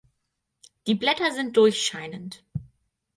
Die Blätter sind durchscheinend.